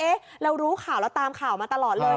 เอ๊ะเรารู้ข่าวแล้วตามข่าวมาตลอดเลย